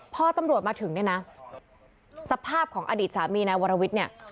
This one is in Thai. พอตำรวจมาถึงเนี่ยนะสภาพของอดีตสามีนายวรวิทย์เนี่ย